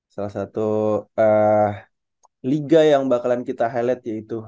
salah satu liga yang bakalan kita highlight yaitu